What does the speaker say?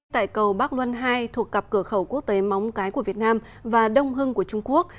tại cầu bắc luân hai thuộc cặp cửa khẩu quốc tế móng cái của việt nam và đông hưng của trung quốc